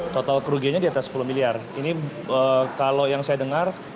belum ada tindakan yang konkret lah